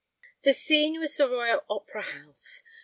The scene was the Royal Opera house.